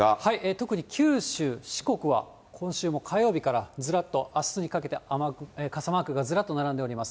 特に九州、四国は、今週も火曜日からずらっとあすにかけて、傘マークがずらっと並んでおります。